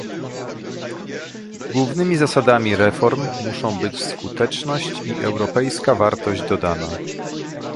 Głównymi zasadami reform muszą być skuteczność i europejska wartość dodana